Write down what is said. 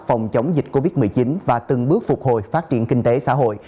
phòng chống dịch covid một mươi chín và từng bước phục hồi phát triển kinh tế xã hội